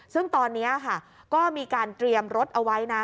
ซึ่งตอนนี้ค่ะก็มีการเตรียมรถเอาไว้นะ